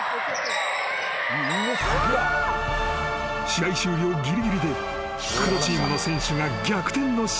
［試合終了ぎりぎりで黒チームの選手が］